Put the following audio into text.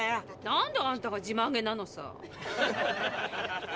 なんであんたが自慢げなのさ。